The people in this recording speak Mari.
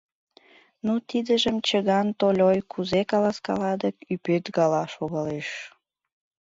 Ну, тидыжым Чыган Тольой туге каласкала дык... ӱпет гала... шогалеш.